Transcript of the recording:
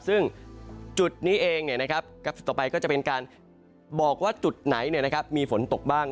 ซึ่งจุดนี้เองนะครับกราฟิกต่อไปก็จะเป็นการบอกว่าจุดไหนเนี่ยนะครับมีฝนตกบ้าง